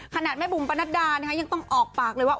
ขนาดแม่บุ๋มปะนัดดายังต้องออกปากเลยว่า